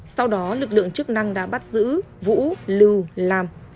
sau đó lực lượng chức năng đã bắt giữ vũ lưu lam